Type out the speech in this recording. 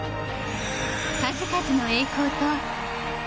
数々の栄光と。